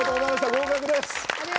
合格です。